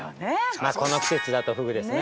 ◆まあ、この季節だとふぐですね。